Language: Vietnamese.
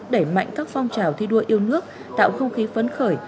đẩy mạnh các phong trào thi đua yêu nước tạo không khí phấn khởi